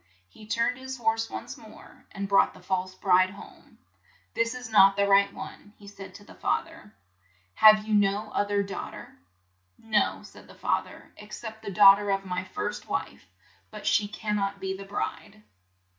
He turned his horse once more, and brought the false bride home. '' This is not the right one," he said to the fath er. "Have you no oth er daugh ter?" "No," said the fa ther, "ex cept the daugh ter of my first wife; but she can not be the bride."